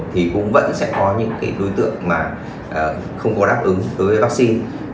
thì cũng vẫn sẽ có những đối tượng mà không có đáp ứng đối với vaccine